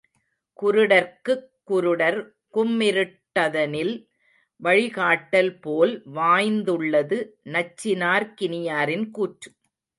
குருடர்க்குக் குருடர் கும்மிருட் டதனில் வழிகாட்டல் போல் வாய்ந்துள்ளது நச்சினார்க்கினியரின் கூற்று.